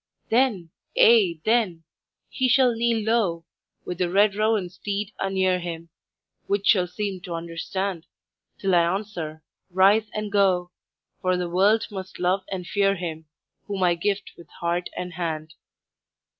"Then, ay, then he shall kneel low, With the red roan steed anear him Which shall seem to understand Till I answer: 'Rise and go!' For the world must love and fear him Whom I gift with heart and hand.